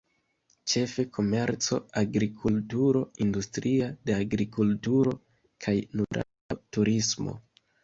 Ĉefe komerco, agrikulturo, industria de agrikulturo kaj nutrado, turismo.